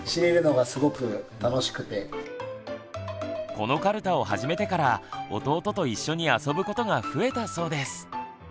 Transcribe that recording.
このカルタを始めてから弟と一緒に遊ぶことが増えたそうです。